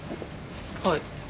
はい。